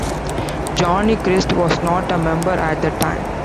Johnny Christ was not a member at the time.